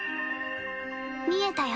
見えたよ